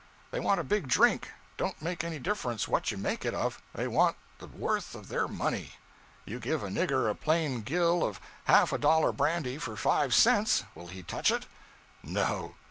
'They want a big drink; don't make any difference what you make it of, they want the worth of their money. You give a nigger a plain gill of half a dollar brandy for five cents will he touch it? No.